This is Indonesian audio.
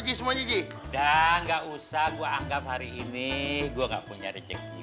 jisme accountable hey nggak usah gua anggap hari ini gua nggak punya pokoknya terima kasih